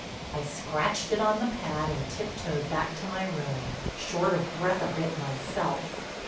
I scratched it on the pad, and tiptoed back to my room, short of breath a bit myself.